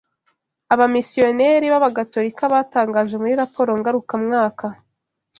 Abamisiyoneri b’abagatolika batangaje muri raporo ngarumwaka